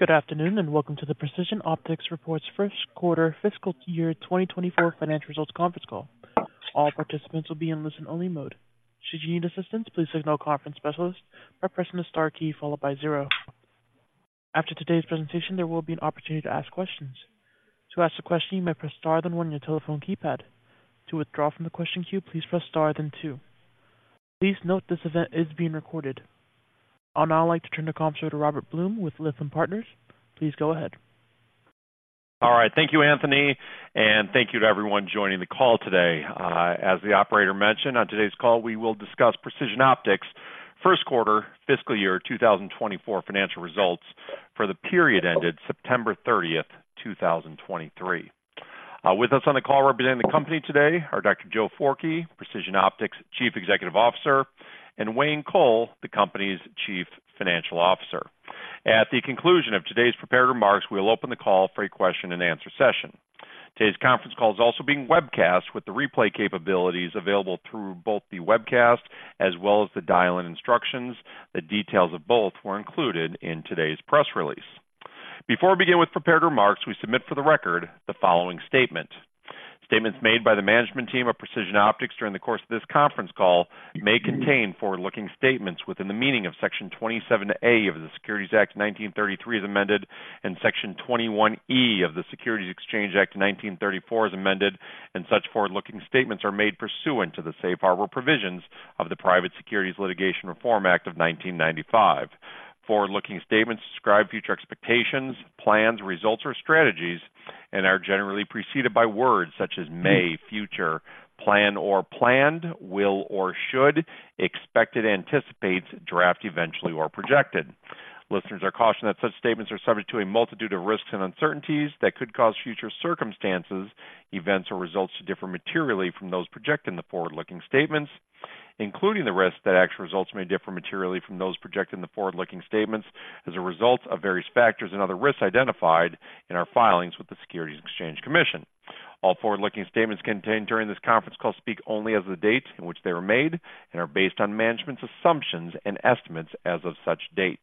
Good afternoon, and welcome to the Precision Optics Corporation's first quarter fiscal year 2024 financial results conference call. All participants will be in listen-only mode. Should you need assistance, please signal a conference specialist by pressing the star key followed by zero. After today's presentation, there will be an opportunity to ask questions. To ask a question, you may press Star then one on your telephone keypad. To withdraw from the question queue, please press Star, then two. Please note, this event is being recorded. I'd now like to turn the conference over to Robert Blum with Lytham Partners. Please go ahead. All right. Thank you, Anthony, and thank you to everyone joining the call today. As the operator mentioned, on today's call, we will discuss Precision Optics' first quarter fiscal year 2024 financial results for the period ended September 30, 2023. With us on the call representing the company today are Dr. Joe Forkey, Precision Optics' Chief Executive Officer, and Wayne Coll, the company's Chief Financial Officer. At the conclusion of today's prepared remarks, we will open the call for a question-and-answer session. Today's conference call is also being webcast, with the replay capabilities available through both the webcast as well as the dial-in instructions. The details of both were included in today's press release. Before we begin with prepared remarks, we submit for the record the following statement. Statements made by the management team of Precision Optics during the course of this conference call may contain forward-looking statements within the meaning of Section 27A of the Securities Act of 1933, as amended, and Section 21E of the Securities Exchange Act of 1934, as amended, and such forward-looking statements are made pursuant to the safe harbor provisions of the Private Securities Litigation Reform Act of 1995. Forward-looking statements describe future expectations, plans, results, or strategies and are generally preceded by words such as may, future, plan or planned, will or should, expected, anticipates, draft, eventually, or projected. Listeners are cautioned that such statements are subject to a multitude of risks and uncertainties that could cause future circumstances, events, or results to differ materially from those projected in the forward-looking statements, including the risk that actual results may differ materially from those projected in the forward-looking statements as a result of various factors and other risks identified in our filings with the Securities and Exchange Commission. All forward-looking statements contained during this conference call speak only as of the date in which they were made and are based on management's assumptions and estimates as of such date.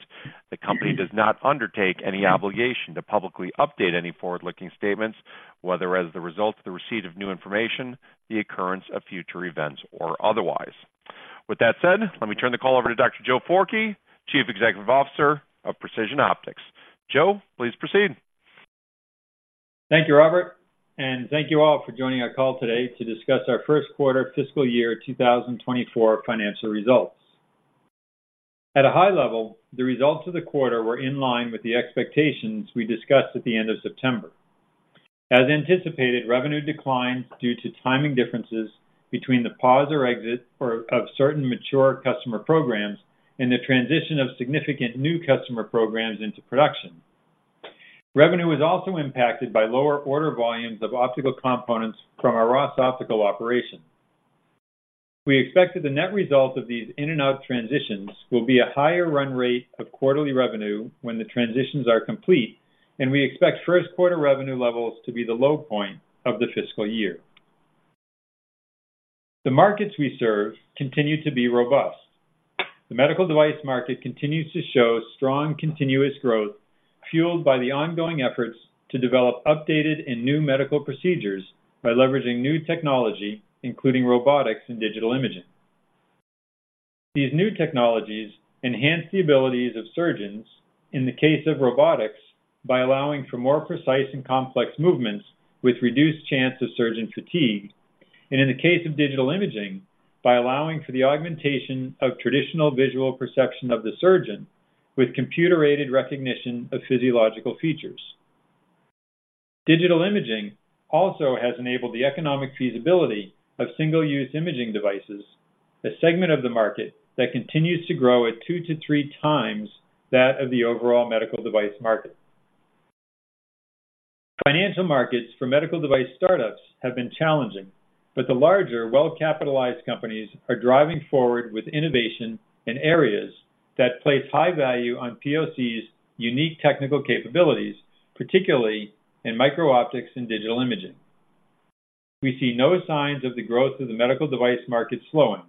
The company does not undertake any obligation to publicly update any forward-looking statements, whether as a result of the receipt of new information, the occurrence of future events, or otherwise. With that said, let me turn the call over to Dr. Joe Forkey, Chief Executive Officer of Precision Optics. Joe, please proceed. Thank you, Robert, and thank you all for joining our call today to discuss our first quarter fiscal year 2024 financial results. At a high level, the results of the quarter were in line with the expectations we discussed at the end of September. As anticipated, revenue declined due to timing differences between the pause or exit of certain mature customer programs and the transition of significant new customer programs into production. Revenue was also impacted by lower order volumes of optical components from our Ross Optical operation. We expected the net result of these in-and-out transitions will be a higher run rate of quarterly revenue when the transitions are complete, and we expect first quarter revenue levels to be the low point of the fiscal year. The markets we serve continue to be robust. The medical device market continues to show strong, continuous growth, fueled by the ongoing efforts to develop updated and new medical procedures by leveraging new technology, including robotics and digital imaging. These new technologies enhance the abilities of surgeons, in the case of robotics, by allowing for more precise and complex movements with reduced chance of surgeon fatigue, and in the case of digital imaging, by allowing for the augmentation of traditional visual perception of the surgeon with computer-aided recognition of physiological features. Digital imaging also has enabled the economic feasibility of single-use imaging devices, a segment of the market that continues to grow at 2-3 times that of the overall medical device market. Financial markets for medical device startups have been challenging, but the larger, well-capitalized companies are driving forward with innovation in areas that place high value on POC's unique technical capabilities, particularly in micro-optics and digital imaging. We see no signs of the growth of the medical device market slowing.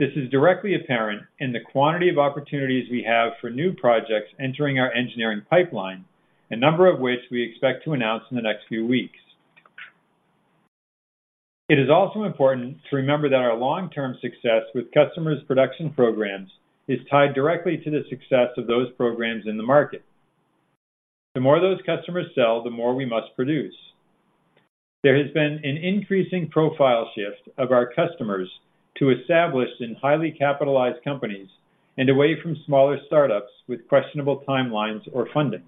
This is directly apparent in the quantity of opportunities we have for new projects entering our engineering pipeline, a number of which we expect to announce in the next few weeks. It is also important to remember that our long-term success with customers' production programs is tied directly to the success of those programs in the market. The more those customers sell, the more we must produce. There has been an increasing profile shift of our customers to established and highly capitalized companies and away from smaller startups with questionable timelines or funding.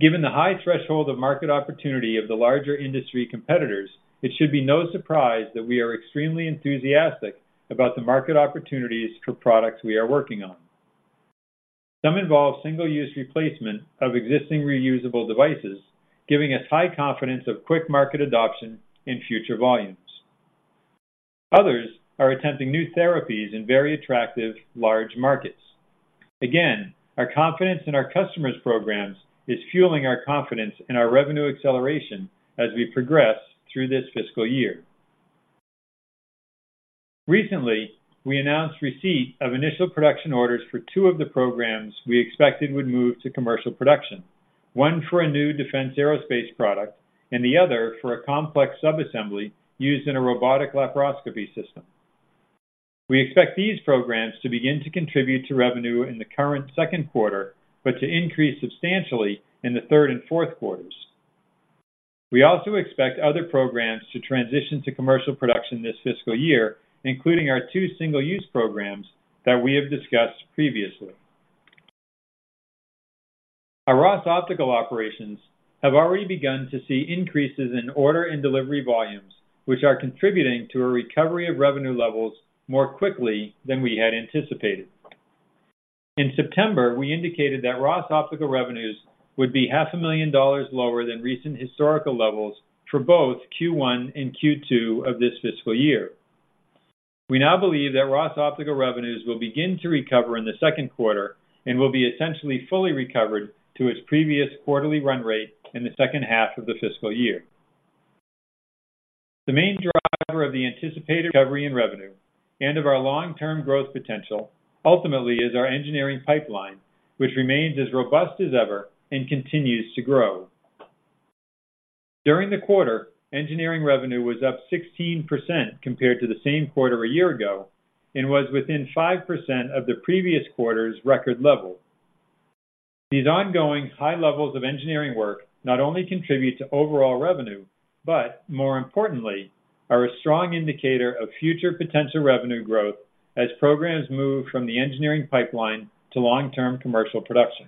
Given the high threshold of market opportunity of the larger industry competitors, it should be no surprise that we are extremely enthusiastic about the market opportunities for products we are working on. Some involve single-use replacement of existing reusable devices, giving us high confidence of quick market adoption in future volumes. Others are attempting new therapies in very attractive large markets. Again, our confidence in our customers' programs is fueling our confidence in our revenue acceleration as we progress through this fiscal year. Recently, we announced receipt of initial production orders for 2 of the programs we expected would move to commercial production. One for a new defense aerospace product, and the other for a complex subassembly used in a robotic laparoscopy system. We expect these programs to begin to contribute to revenue in the current second quarter, but to increase substantially in the third and fourth quarters. We also expect other programs to transition to commercial production this fiscal year, including our two single-use programs that we have discussed previously. Our Ross Optical operations have already begun to see increases in order and delivery volumes, which are contributing to a recovery of revenue levels more quickly than we had anticipated. In September, we indicated that Ross Optical revenues would be $500,000 lower than recent historical levels for both Q1 and Q2 of this fiscal year. We now believe that Ross Optical revenues will begin to recover in the second quarter and will be essentially fully recovered to its previous quarterly run rate in the second half of the fiscal year. The main driver of the anticipated recovery in revenue and of our long-term growth potential, ultimately, is our engineering pipeline, which remains as robust as ever and continues to grow. During the quarter, engineering revenue was up 16% compared to the same quarter a year ago and was within 5% of the previous quarter's record level. These ongoing high levels of engineering work not only contribute to overall revenue, but more importantly, are a strong indicator of future potential revenue growth as programs move from the engineering pipeline to long-term commercial production.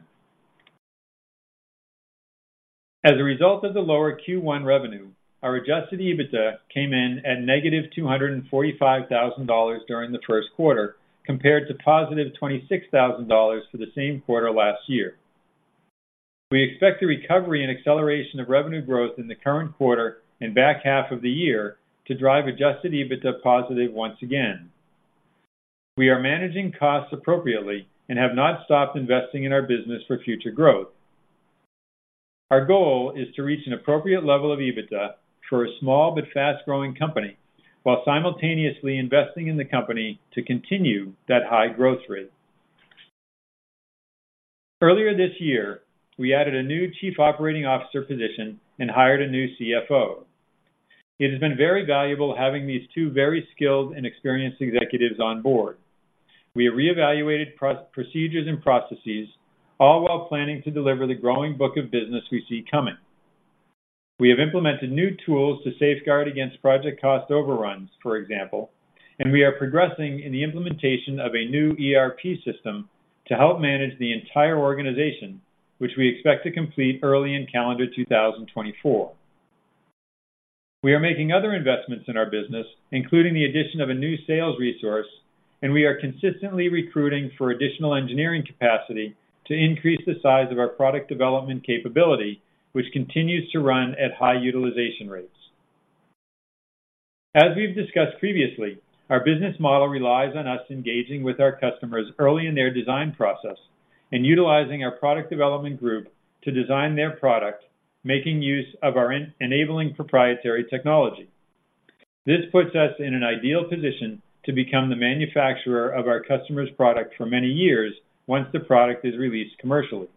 As a result of the lower Q1 revenue, our Adjusted EBITDA came in at -$245,000 during the first quarter, compared to +$26,000 for the same quarter last year. We expect the recovery and acceleration of revenue growth in the current quarter and back half of the year to drive Adjusted EBITDA positive once again. We are managing costs appropriately and have not stopped investing in our business for future growth. Our goal is to reach an appropriate level of EBITDA for a small but fast-growing company, while simultaneously investing in the company to continue that high growth rate. Earlier this year, we added a new chief operating officer position and hired a new CFO. It has been very valuable having these two very skilled and experienced executives on board. We have reevaluated procedures and processes, all while planning to deliver the growing book of business we see coming. We have implemented new tools to safeguard against project cost overruns, for example, and we are progressing in the implementation of a new ERP system to help manage the entire organization, which we expect to complete early in calendar 2024. We are making other investments in our business, including the addition of a new sales resource, and we are consistently recruiting for additional engineering capacity to increase the size of our product development capability, which continues to run at high utilization rates. As we've discussed previously, our business model relies on us engaging with our customers early in their design process and utilizing our product development group to design their product, making use of our enabling proprietary technology. This puts us in an ideal position to become the manufacturer of our customer's product for many years, once the product is released commercially.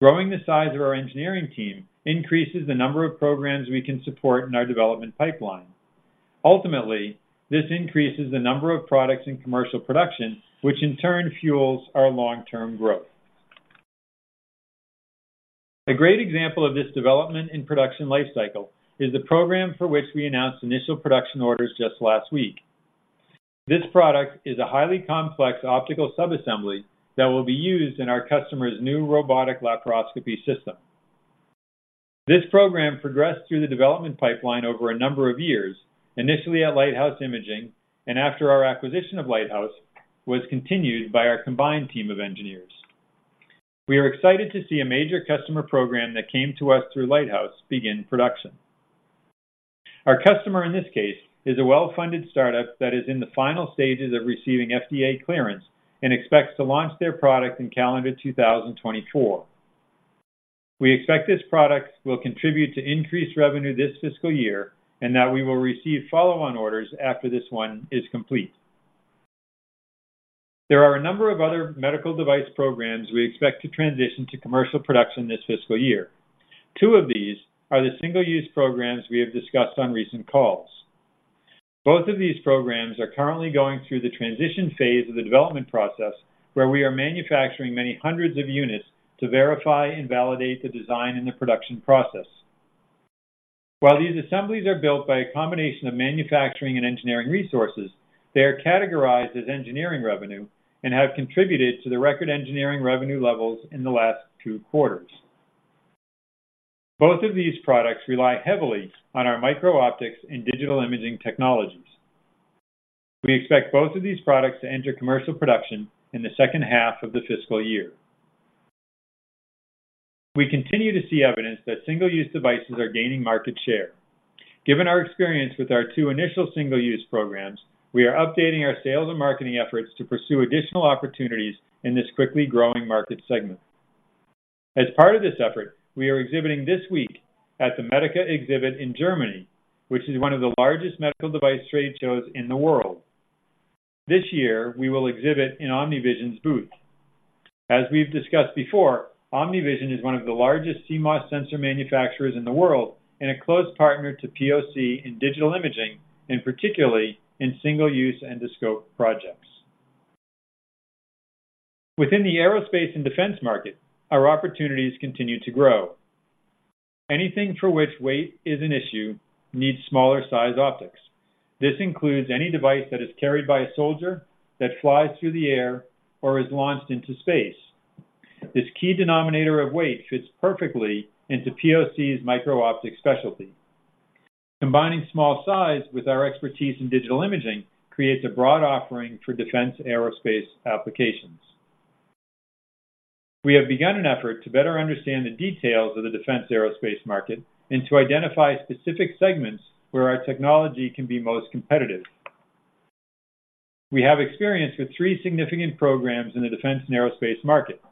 Growing the size of our engineering team increases the number of programs we can support in our development pipeline. Ultimately, this increases the number of products in commercial production, which in turn fuels our long-term growth. A great example of this development in production lifecycle is the program for which we announced initial production orders just last week. This product is a highly complex optical subassembly that will be used in our customer's new robotic laparoscopy system. This program progressed through the development pipeline over a number of years, initially at Lighthouse Imaging, and after our acquisition of Lighthouse, was continued by our combined team of engineers. We are excited to see a major customer program that came to us through Lighthouse begin production. Our customer in this case, is a well-funded startup that is in the final stages of receiving FDA clearance and expects to launch their product in calendar 2024. We expect this product will contribute to increased revenue this fiscal year and that we will receive follow-on orders after this one is complete. There are a number of other medical device programs we expect to transition to commercial production this fiscal year. Two of these are the single-use programs we have discussed on recent calls. Both of these programs are currently going through the transition phase of the development process, where we are manufacturing many hundreds of units to verify and validate the design and the production process. While these assemblies are built by a combination of manufacturing and engineering resources, they are categorized as engineering revenue and have contributed to the record engineering revenue levels in the last two quarters. Both of these products rely heavily on our micro-optics and digital imaging technologies. We expect both of these products to enter commercial production in the second half of the fiscal year. We continue to see evidence that single-use devices are gaining market share. Given our experience with our two initial single-use programs, we are updating our sales and marketing efforts to pursue additional opportunities in this quickly growing market segment. As part of this effort, we are exhibiting this week at the Medica exhibit in Germany, which is one of the largest medical device trade shows in the world. This year, we will exhibit in OmniVision's booth. As we've discussed before, OmniVision is one of the largest CMOS sensor manufacturers in the world and a close partner to POC in digital imaging, and particularly in single-use endoscope projects. Within the aerospace and defense market, our opportunities continue to grow. Anything for which weight is an issue needs smaller size optics. This includes any device that is carried by a soldier, that flies through the air, or is launched into space. This key denominator of weight fits perfectly into POC's micro-optics specialty. Combining small size with our expertise in digital imaging creates a broad offering for defense aerospace applications. We have begun an effort to better understand the details of the defense aerospace market and to identify specific segments where our technology can be most competitive. We have experience with three significant programs in the defense and aerospace market.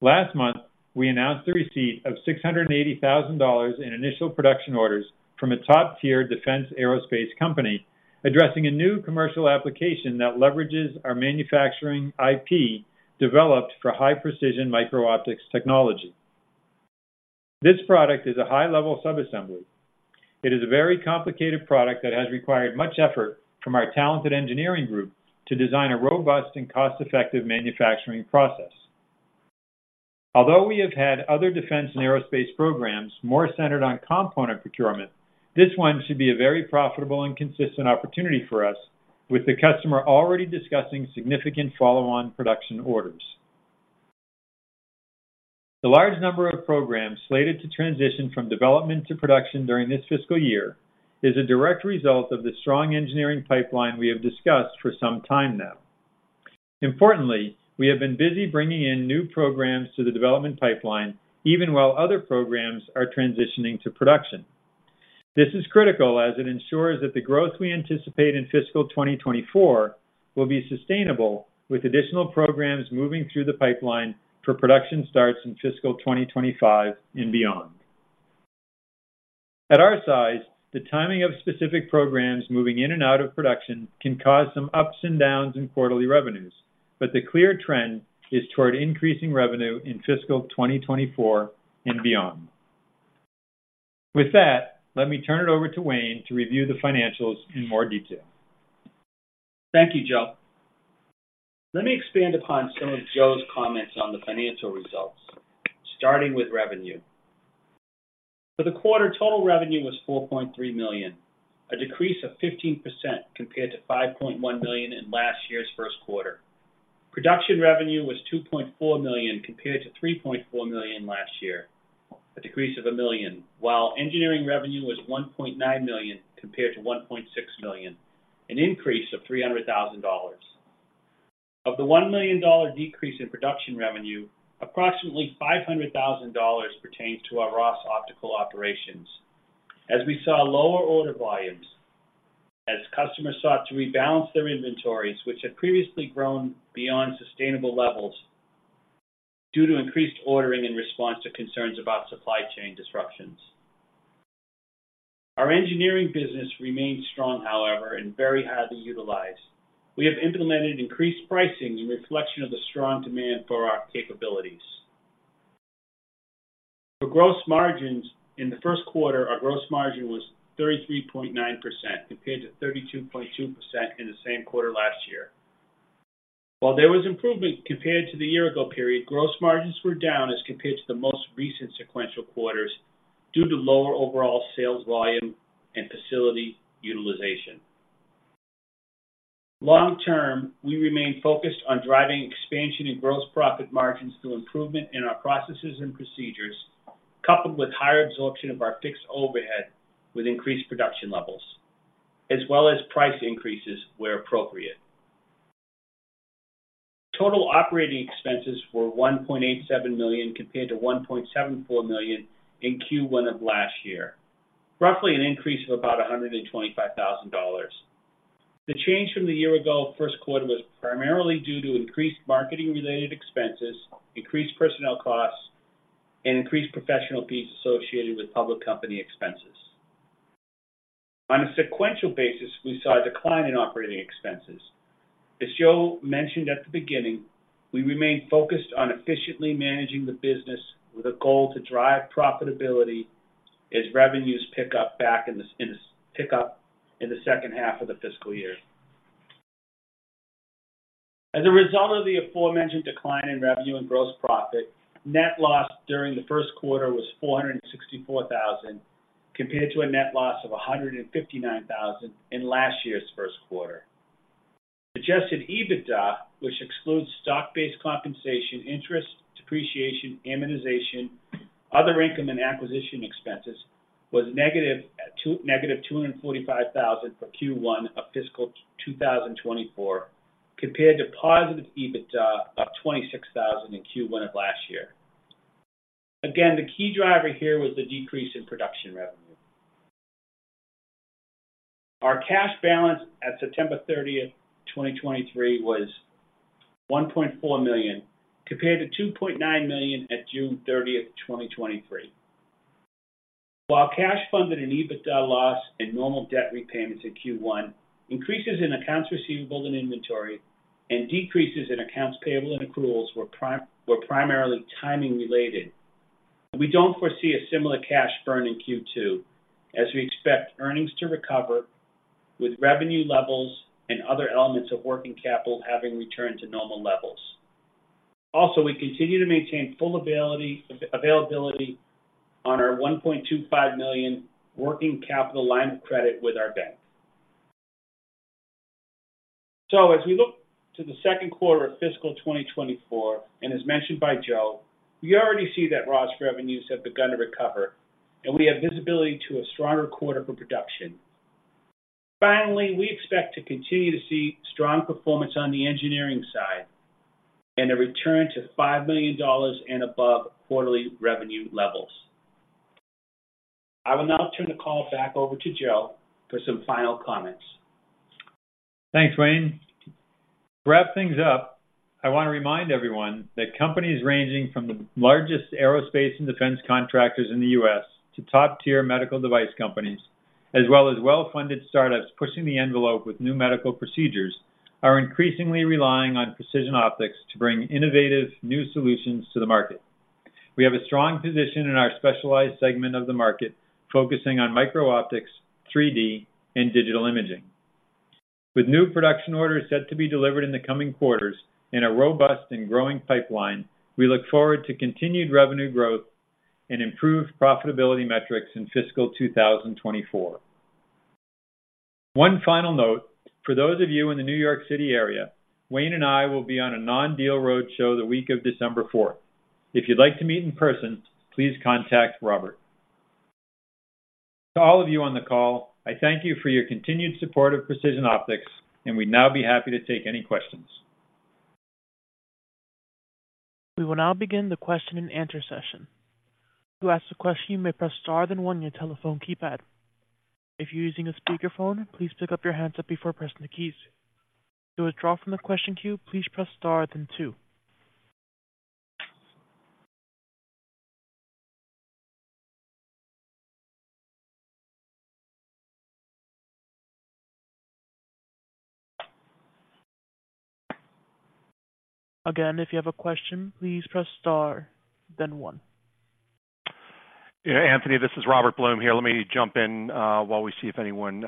Last month, we announced the receipt of $680,000 in initial production orders from a top-tier defense aerospace company, addressing a new commercial application that leverages our manufacturing IP, developed for high-precision micro-optics technology. This product is a high-level sub-assembly. It is a very complicated product that has required much effort from our talented engineering group to design a robust and cost-effective manufacturing process. Although we have had other defense and aerospace programs more centered on component procurement, this one should be a very profitable and consistent opportunity for us, with the customer already discussing significant follow-on production orders. The large number of programs slated to transition from development to production during this fiscal year is a direct result of the strong engineering pipeline we have discussed for some time now. Importantly, we have been busy bringing in new programs to the development pipeline, even while other programs are transitioning to production. This is critical, as it ensures that the growth we anticipate in fiscal 2024 will be sustainable, with additional programs moving through the pipeline for production starts in fiscal 2025 and beyond. At our size, the timing of specific programs moving in and out of production can cause some ups and downs in quarterly revenues, but the clear trend is toward increasing revenue in fiscal 2024 and beyond. With that, let me turn it over to Wayne to review the financials in more detail. Thank you, Joe. Let me expand upon some of Joe's comments on the financial results, starting with revenue. For the quarter, total revenue was $4.3 million, a decrease of 15% compared to $5.1 million in last year's first quarter. Production revenue was $2.4 million, compared to $3.4 million last year, a decrease of $1 million. While engineering revenue was $1.9 million compared to $1.6 million, an increase of $300,000. Of the $1 million decrease in production revenue, approximately $500,000 pertains to our Ross Optical operations. As we saw lower order volumes, as customers sought to rebalance their inventories, which had previously grown beyond sustainable levels due to increased ordering in response to concerns about supply chain disruptions. Our engineering business remains strong, however, and very highly utilized. We have implemented increased pricing in reflection of the strong demand for our capabilities. For gross margins, in the first quarter, our gross margin was 33.9%, compared to 32.2% in the same quarter last year. While there was improvement compared to the year ago period, gross margins were down as compared to the most recent sequential quarters due to lower overall sales volume and facility utilization. Long term, we remain focused on driving expansion in gross profit margins through improvement in our processes and procedures, coupled with higher absorption of our fixed overhead with increased production levels, as well as price increases where appropriate. Total operating expenses were $1.87 million, compared to $1.74 million in Q1 of last year. Roughly an increase of about $125,000. The change from the year-ago first quarter was primarily due to increased marketing-related expenses, increased personnel costs, and increased professional fees associated with public company expenses. On a sequential basis, we saw a decline in operating expenses. As Joe mentioned at the beginning, we remain focused on efficiently managing the business with a goal to drive profitability as revenues pick up in the second half of the fiscal year. As a result of the aforementioned decline in revenue and gross profit, net loss during the first quarter was $464,000, compared to a net loss of $159,000 in last year's first quarter. Adjusted EBITDA, which excludes stock-based compensation, interest, depreciation, amortization, other income, and acquisition expenses, was -$245,000 for Q1 of fiscal 2024, compared to positive EBITDA of $26,000 in Q1 of last year. Again, the key driver here was the decrease in production revenue. Our cash balance at September thirtieth, 2023, was $1.4 million, compared to $2.9 million at June thirtieth, 2023. While cash funded an EBITDA loss and normal debt repayments in Q1, increases in accounts receivable and inventory, and decreases in accounts payable and accruals were primarily timing-related. We don't foresee a similar cash burn in Q2, as we expect earnings to recover with revenue levels and other elements of working capital having returned to normal levels. Also, we continue to maintain full availability on our $1.25 million working capital line of credit with our bank. So as we look to the second quarter of fiscal 2024, and as mentioned by Joe, we already see that Ross revenues have begun to recover, and we have visibility to a stronger quarter for production. Finally, we expect to continue to see strong performance on the engineering side and a return to $5 million and above quarterly revenue levels. I will now turn the call back over to Joe for some final comments. Thanks, Wayne. To wrap things up, I want to remind everyone that companies ranging from the largest aerospace and defense contractors in the U.S. to top-tier medical device companies, as well as well-funded startups pushing the envelope with new medical procedures, are increasingly relying on Precision Optics to bring innovative new solutions to the market. We have a strong position in our specialized segment of the market, focusing on micro-optics, 3D, and digital imaging. With new production orders set to be delivered in the coming quarters, in a robust and growing pipeline, we look forward to continued revenue growth and improved profitability metrics in fiscal 2024. One final note: For those of you in the New York City area, Wayne and I will be on a non-deal roadshow the week of December fourth. If you'd like to meet in person, please contact Robert. To all of you on the call, I thank you for your continued support of Precision Optics, and we'd now be happy to take any questions. We will now begin the question-and-answer session. To ask a question, you may press star, then one on your telephone keypad. If you're using a speakerphone, please pick up your handset before pressing the keys. To withdraw from the question queue, please press star, then two. Again, if you have a question, please press star, then one. Yeah, Anthony, this is Robert Blum here. Let me jump in while we see if anyone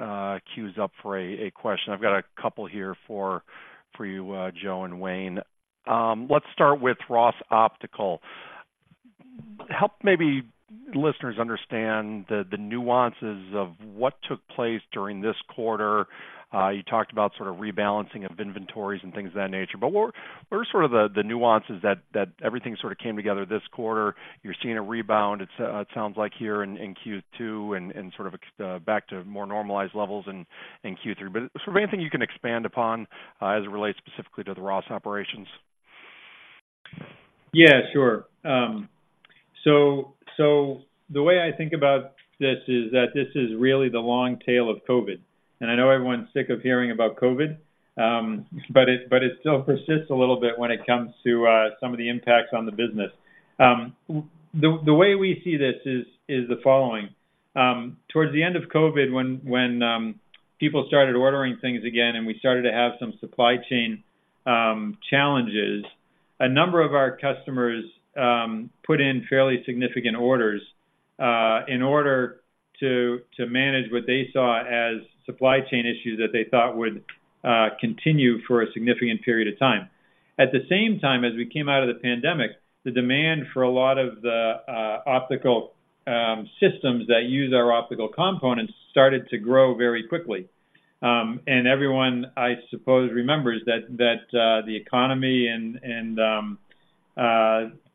queues up for a question. I've got a couple here for you, Joe and Wayne. Let's start with Ross Optical. Help maybe listeners understand the nuances of what took place during this quarter. You talked about sort of rebalancing of inventories and things of that nature, but what are sort of the nuances that everything sort of came together this quarter? You're seeing a rebound, it sounds like here in Q2 and sort of back to more normalized levels in Q3. But is there anything you can expand upon as it relates specifically to the Ross operations? Yeah, sure. So, the way I think about this is that this is really the long tail of COVID, and I know everyone's sick of hearing about COVID, but it still persists a little bit when it comes to some of the impacts on the business. The way we see this is the following: Towards the end of COVID, when people started ordering things again, and we started to have some supply chain challenges, a number of our customers put in fairly significant orders, in order to manage what they saw as supply chain issues that they thought would continue for a significant period of time. At the same time as we came out of the pandemic, the demand for a lot of the optical systems that use our optical components started to grow very quickly. And everyone, I suppose, remembers that the economy and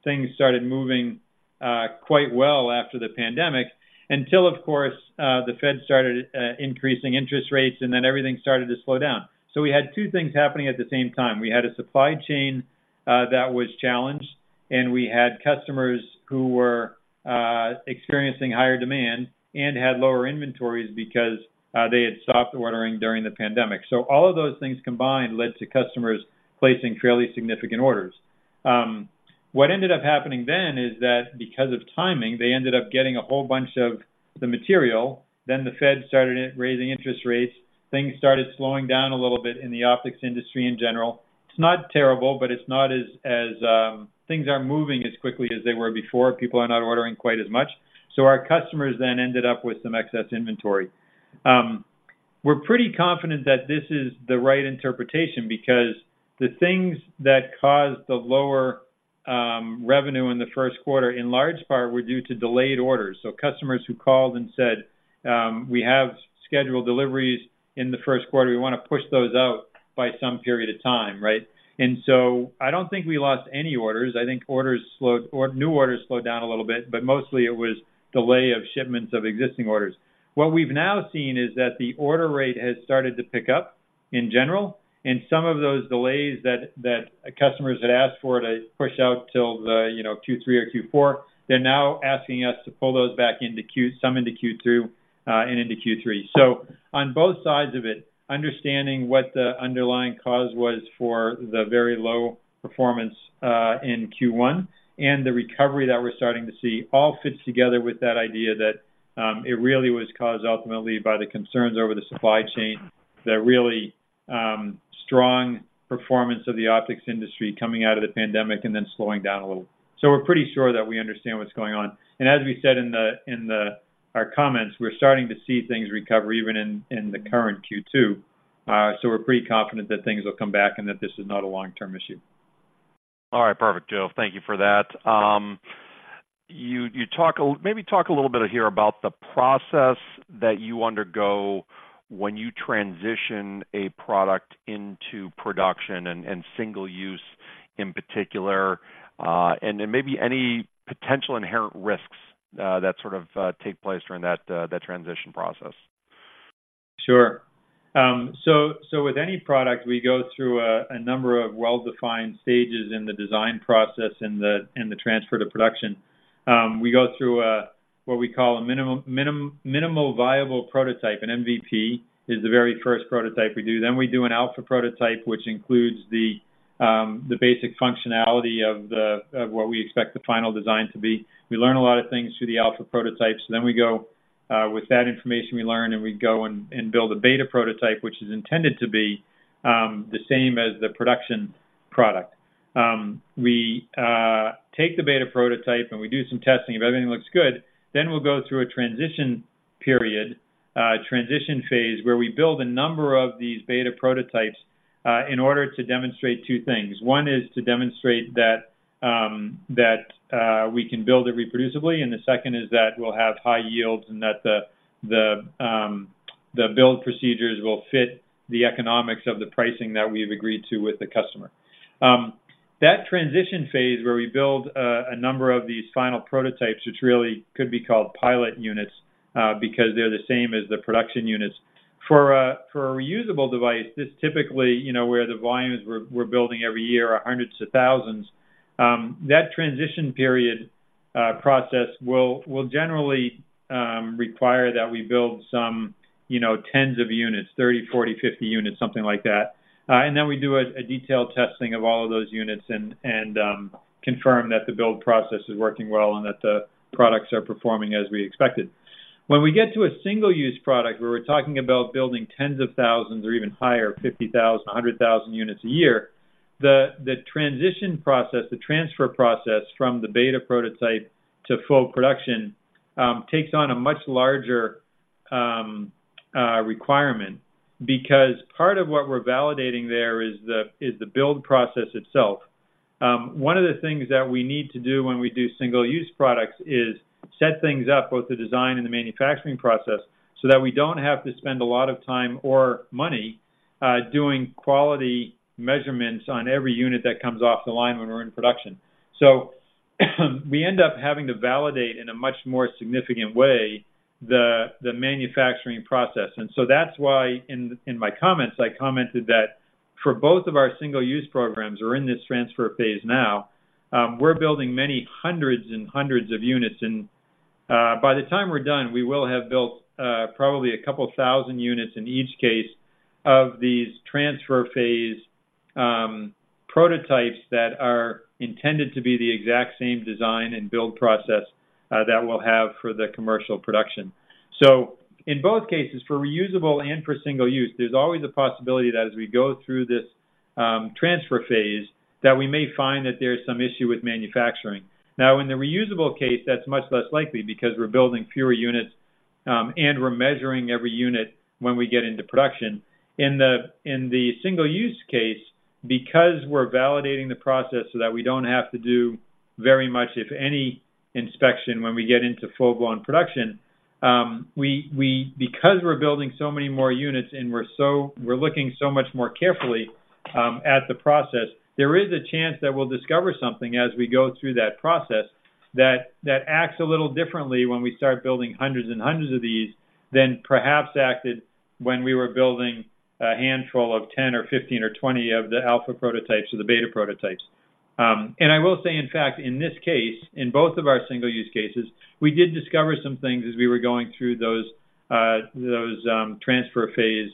things started moving quite well after the pandemic, until, of course, the Fed started increasing interest rates, and then everything started to slow down. So we had two things happening at the same time. We had a supply chain that was challenged, and we had customers who were experiencing higher demand and had lower inventories because they had stopped ordering during the pandemic. So all of those things combined led to customers placing fairly significant orders. What ended up happening then is that because of timing, they ended up getting a whole bunch of the material. Then the Fed started raising interest rates. Things started slowing down a little bit in the optics industry in general. It's not terrible, but it's not as... Things aren't moving as quickly as they were before. People are not ordering quite as much, so our customers then ended up with some excess inventory. We're pretty confident that this is the right interpretation because the things that caused the lower revenue in the first quarter, in large part, were due to delayed orders. So customers who called and said, "We have scheduled deliveries in the first quarter. We want to push those out by some period of time." Right? And so I don't think we lost any orders. I think orders slowed or new orders slowed down a little bit, but mostly it was delay of shipments of existing orders. What we've now seen is that the order rate has started to pick up.... in general, and some of those delays that customers had asked for to push out till the, you know, Q3 or Q4, they're now asking us to pull those back into Q2, some into Q2, and into Q3. So on both sides of it, understanding what the underlying cause was for the very low performance in Q1 and the recovery that we're starting to see, all fits together with that idea that it really was caused ultimately by the concerns over the supply chain, the really strong performance of the optics industry coming out of the pandemic and then slowing down a little. So we're pretty sure that we understand what's going on. As we said in our comments, we're starting to see things recover even in the current Q2. So we're pretty confident that things will come back and that this is not a long-term issue. All right. Perfect, Joe. Thank you for that. You talk a little bit here about the process that you undergo when you transition a product into production and single use in particular, and then maybe any potential inherent risks that sort of take place during that transition process. Sure. So, with any product, we go through a number of well-defined stages in the design process and the transfer to production. We go through what we call a Minimal Viable Prototype. An MVP is the very first prototype we do. Then we do an Alpha Prototype, which includes the basic functionality of what we expect the final design to be. We learn a lot of things through the Alpha Prototypes. Then we go with that information we learn, and we go and build a Beta Prototype, which is intended to be the same as the production product. We take the Beta Prototype, and we do some testing. If everything looks good, then we'll go through a transition period, transition phase, where we build a number of these beta prototypes in order to demonstrate two things. One is to demonstrate that we can build it reproducibly, and the second is that we'll have high yields and that the build procedures will fit the economics of the pricing that we've agreed to with the customer. That transition phase, where we build a number of these final prototypes, which really could be called pilot units, because they're the same as the production units. For a reusable device, this typically, you know, where the volumes we're building every year are hundreds of thousands, that transition period process will generally require that we build some, you know, tens of units, 30, 40, 50 units, something like that. And then we do a detailed testing of all of those units and confirm that the build process is working well and that the products are performing as we expected. When we get to a single-use product, where we're talking about building tens of thousands or even higher, 50,000, 100,000 units a year, the transition process, the transfer process from the beta prototype to full production takes on a much larger requirement, because part of what we're validating there is the build process itself. One of the things that we need to do when we do single-use products is set things up, both the design and the manufacturing process, so that we don't have to spend a lot of time or money, doing quality measurements on every unit that comes off the line when we're in production. So we end up having to validate, in a much more significant way, the manufacturing process. And so that's why in my comments, I commented that for both of our single-use programs, we're in this transfer phase now, we're building many hundreds and hundreds of units. And, by the time we're done, we will have built, probably a couple thousand units in each case of these transfer phase prototypes that are intended to be the exact same design and build process, that we'll have for the commercial production. So in both cases, for reusable and for single-use, there's always a possibility that as we go through this transfer phase, that we may find that there's some issue with manufacturing. Now, in the reusable case, that's much less likely because we're building fewer units, and we're measuring every unit when we get into production. In the single-use case, because we're validating the process so that we don't have to do very much, if any, inspection when we get into full-blown production, because we're building so many more units and we're looking so much more carefully at the process, there is a chance that we'll discover something as we go through that process that acts a little differently when we start building hundreds and hundreds of these than perhaps acted when we were building a handful of 10 or 15 or 20 of the alpha prototypes or the beta prototypes. And I will say, in fact, in this case, in both of our single-use cases, we did discover some things as we were going through those transfer phase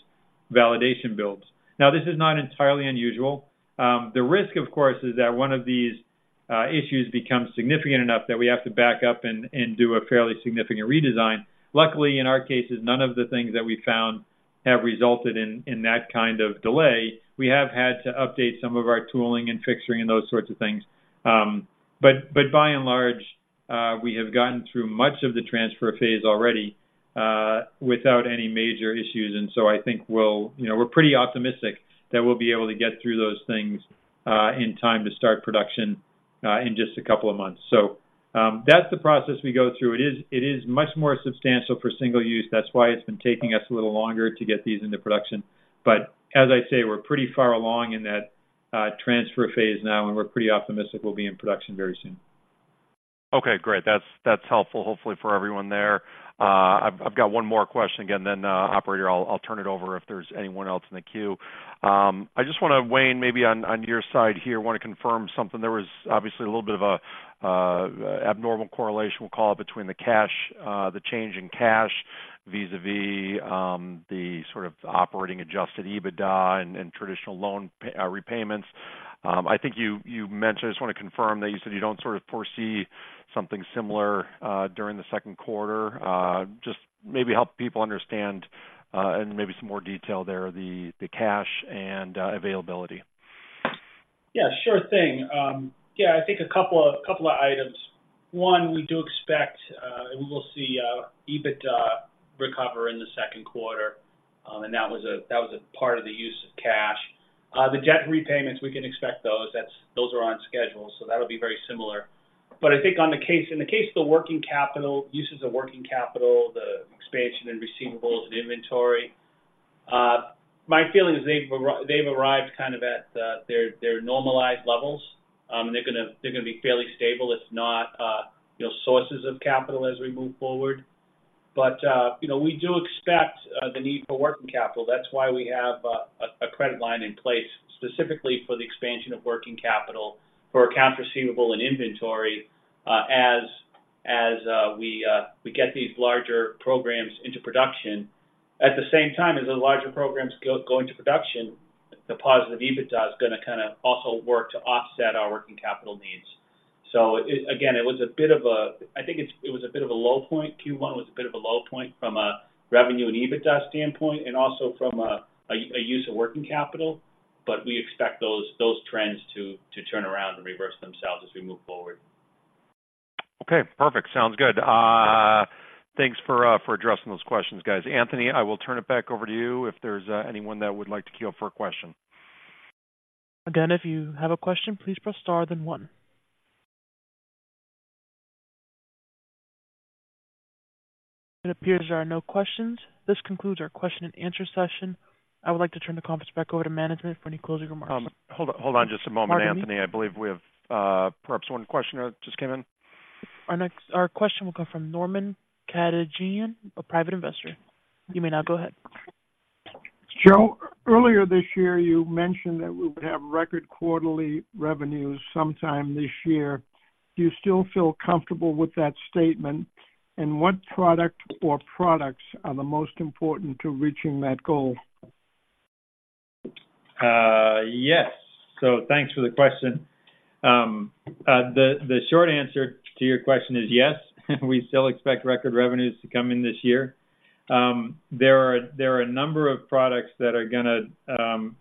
validation builds. Now, this is not entirely unusual. The risk, of course, is that one of these issues become significant enough that we have to back up and do a fairly significant redesign. Luckily, in our cases, none of the things that we found have resulted in that kind of delay. We have had to update some of our tooling and fixturing and those sorts of things. But by and large, we have gotten through much of the transfer phase already without any major issues, and so I think we'll... You know, we're pretty optimistic that we'll be able to get through those things in time to start production in just a couple of months. So, that's the process we go through. It is much more substantial for single-use. That's why it's been taking us a little longer to get these into production. But as I say, we're pretty far along in that transfer phase now, and we're pretty optimistic we'll be in production very soon.... Okay, great. That's, that's helpful, hopefully, for everyone there. I've, I've got one more question again, then, operator, I'll, I'll turn it over if there's anyone else in the queue. I just wanna, Wayne, maybe on, on your side here, wanna confirm something. There was obviously a little bit of a, a, abnormal correlation, we'll call it, between the cash, the change in cash vis-à-vis, the sort of operating Adjusted EBITDA and, and traditional loan pay repayments. I think you, you mentioned, I just wanna confirm that you said you don't sort of foresee something similar, during the second quarter. Just maybe help people understand, and maybe some more detail there, the, the cash and availability. Yeah, sure thing. Yeah, I think a couple of, couple of items. One, we do expect, and we will see, EBITDA recover in the second quarter, and that was a, that was a part of the use of cash. The debt repayments, we can expect those. That's. Those are on schedule, so that'll be very similar. But I think in the case of the working capital, uses of working capital, the expansion in receivables and inventory, my feeling is they've arrived kind of at the, their, their normalized levels. They're gonna, they're gonna be fairly stable, if not, you know, sources of capital as we move forward. But, you know, we do expect, the need for working capital. That's why we have a credit line in place, specifically for the expansion of working capital for account receivable and inventory, as we get these larger programs into production. At the same time, as the larger programs go into production, the positive EBITDA is gonna kinda also work to offset our working capital needs. So it, again, it was a bit of a... I think it's, it was a bit of a low point. Q1 was a bit of a low point from a revenue and EBITDA standpoint, and also from a use of working capital, but we expect those trends to turn around and reverse themselves as we move forward. Okay, perfect. Sounds good. Thanks for addressing those questions, guys. Anthony, I will turn it back over to you if there's anyone that would like to queue up for a question. Again, if you have a question, please press star, then one. It appears there are no questions. This concludes our question and answer session. I would like to turn the conference back over to management for any closing remarks. Hold up, hold on just a moment, Anthony. Pardon me? I believe we have, perhaps one questioner just came in. Our question will come from Norman Kadigian, a private investor. You may now go ahead. Joe, earlier this year, you mentioned that we would have record quarterly revenues sometime this year. Do you still feel comfortable with that statement? And what product or products are the most important to reaching that goal? Yes. Thanks for the question. The short answer to your question is yes, we still expect record revenues to come in this year. There are a number of products that are gonna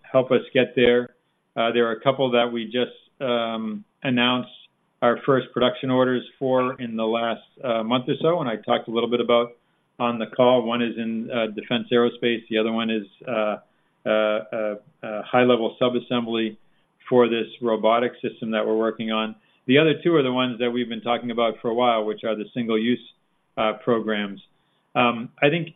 help us get there. There are a couple that we just announced our first production orders for in the last month or so, and I talked a little bit about on the call. One is in defense aerospace, the other one is a high-level sub-assembly for this robotic system that we're working on. The other two are the ones that we've been talking about for a while, which are the single-use programs. I think,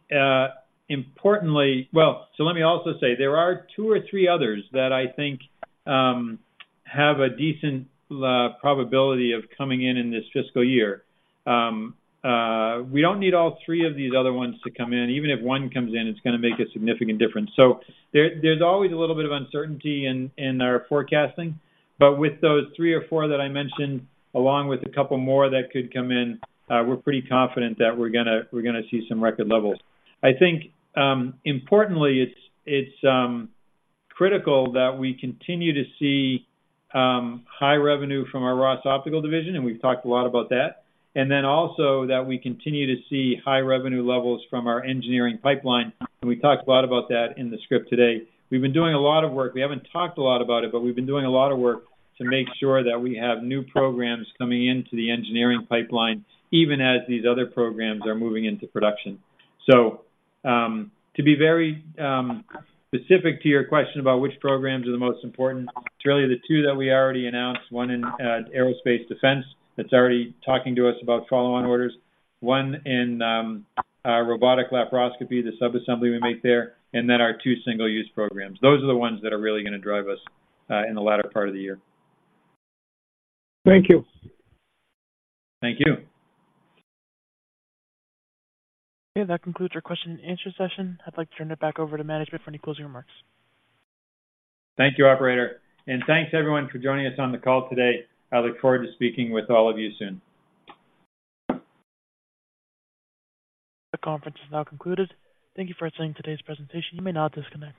importantly... Well, so let me also say, there are two or three others that I think have a decent probability of coming in in this fiscal year. We don't need all three of these other ones to come in. Even if one comes in, it's gonna make a significant difference. So there, there's always a little bit of uncertainty in our forecasting, but with those three or four that I mentioned, along with a couple more that could come in, we're pretty confident that we're gonna see some record levels. I think, importantly, it's critical that we continue to see high revenue from our Ross Optical division, and we've talked a lot about that. And then also that we continue to see high revenue levels from our engineering pipeline, and we talked a lot about that in the script today. We've been doing a lot of work. We haven't talked a lot about it, but we've been doing a lot of work to make sure that we have new programs coming into the engineering pipeline, even as these other programs are moving into production. So, to be very specific to your question about which programs are the most important, it's really the two that we already announced, one in aerospace defense, that's already talking to us about follow-on orders, one in Robotic Laparoscopy, the sub-assembly we make there, and then our two single-use programs. Those are the ones that are really gonna drive us in the latter part of the year. Thank you. Thank you. Okay, that concludes our question and answer session. I'd like to turn it back over to management for any closing remarks. Thank you, operator. Thanks, everyone, for joining us on the call today. I look forward to speaking with all of you soon. The conference is now concluded. Thank you for attending today's presentation. You may now disconnect.